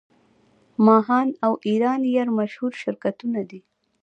ماهان او ایران ایر مشهور شرکتونه دي.